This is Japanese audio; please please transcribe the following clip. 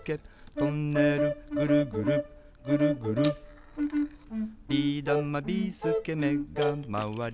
「トンネルぐるぐるぐるぐる」「ビーだま・ビーすけめがまわり」